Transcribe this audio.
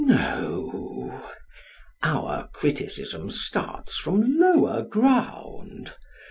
No; our criticism starts from lower ground.